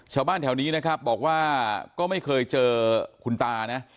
ชาวบ้านแถวนี้นะครับบอกว่าก็ไม่เคยเจอคุณตานะ